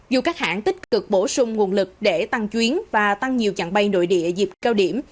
dù các hãng tích cực bổ sung nguồn lực để tăng chuyến và tăng nhiều chặng bay nội địa dịp cao điểm